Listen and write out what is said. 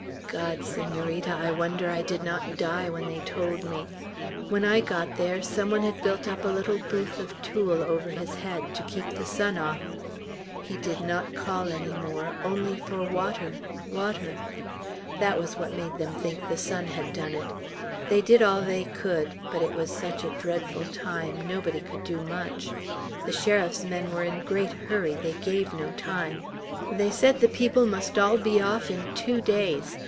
God! Senorita, I wonder I did not die when they told me! When I got there, some one had built up a little booth of tule over his head, to keep the sun off. He did not call any more, only for water, water. That was what made them think the sun had done it. They did all they could; but it was such a dreadful time, nobody could do much; the sheriff's men were in great hurry; they gave no time. They said the people must all be off in two days.